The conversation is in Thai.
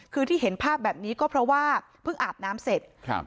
คือที่เห็นภาพแบบนี้ก็เพราะว่าเพิ่งอาบน้ำเสร็จครับ